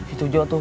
itu jok tuh